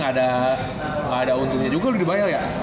lagi engga ada untungnya juga lu dibayar ya